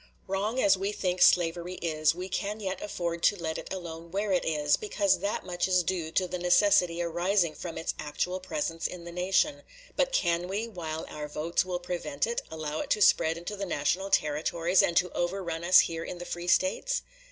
Wrong as we think slavery is, we can yet afford to let it alone where it is, because that much is due to the necessity arising from its actual presence in the nation; but can we, while our votes will prevent it, allow it to spread into the national Territories, and to overrun us here in the free States?